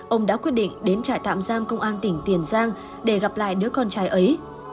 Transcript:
ông đã quyết định đến trại tạm giam công an tỉnh tiền giang để gặp lại đứa con trai ấy